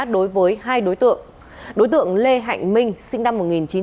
đối với hai đối tượng đối tượng lê hạnh minh sinh năm một nghìn chín trăm chín mươi bảy